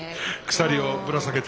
鎖をぶら下げて。